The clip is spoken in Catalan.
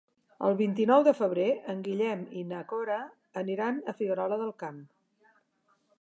El vint-i-nou de febrer en Guillem i na Cora aniran a Figuerola del Camp.